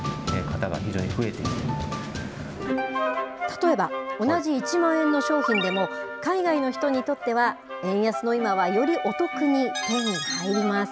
例えば、同じ１万円の商品でも、海外の人にとっては、円安の今はよりお得に手に入ります。